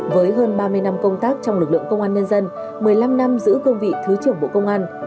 với hơn ba mươi năm công tác trong lực lượng công an nhân dân một mươi năm năm giữ cương vị thứ trưởng bộ công an